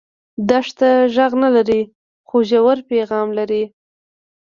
دښته غږ نه لري خو ژور پیغام لري.